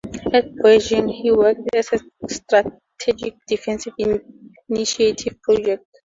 At Boeing, he worked on a Strategic Defense Initiative project.